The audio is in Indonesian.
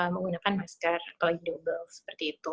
menggunakan masker pelagi double seperti itu